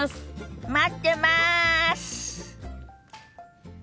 待ってます！